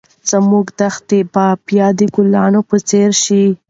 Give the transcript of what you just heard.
زموږ دښتې به بیا د ګلانو په څېر شي.